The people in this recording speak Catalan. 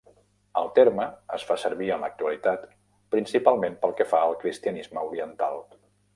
El terme es fa servir en l'actualitat principalment pel que fa al cristianisme oriental.